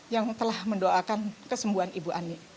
yang telah mendoakan kesembuhan ibu ani